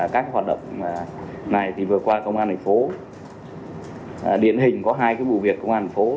các hoạt động này thì vừa qua công an tp hcm điện hình có hai cái bụi việc công an tp hcm